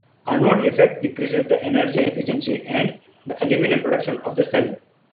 Anode effect decreases the energy-efficiency and the aluminium production of the cell.